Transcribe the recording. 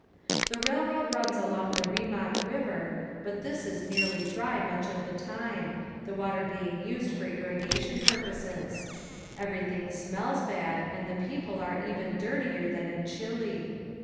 The railroad runs along the Rimac river, but this is nearly dry much of the time, the water being used for irrigating purposes. Everything smells bad and the people are even dirtier than in Chile.